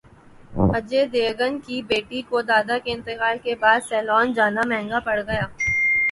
اجے دیوگن کی بیٹی کو دادا کے انتقال کے بعد سیلون جانا مہنگا پڑ گیا